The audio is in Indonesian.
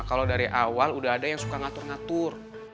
kalau dari awal udah ada yang suka ngatur ngatur